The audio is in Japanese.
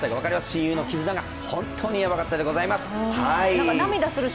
親友の絆かが本当にやばかったでございます。